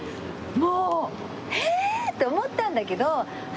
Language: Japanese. もうええっ！？って思ったんだけど。